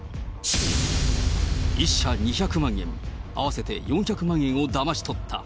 １社２００万円、合わせて４００万円をだまし取った。